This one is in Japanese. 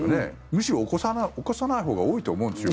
むしろ、犯さないほうが多いと思うんですよ。